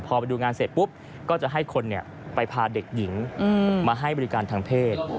พอไปดูงานเสร็จปุ๊บก็จะให้คนไปพาเด็กหญิงมาให้บริการทางเพศ